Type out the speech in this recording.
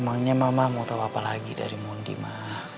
emangnya mama mau tau apa lagi dari mondi ma